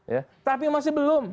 ya tapi masih belum